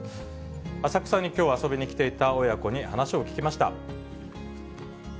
浅草にきょう遊びに来ていた親子に話を聞きました。